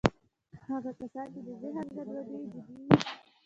هغه کسان چې د ذهن ګډوډۍ یې جدي وي